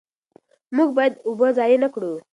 موږ باید اوبه ضایع نه کړو.